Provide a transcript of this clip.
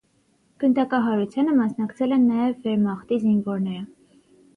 Գնդակահարությանը մասնակցել են նաև վերմախտի զինվորները։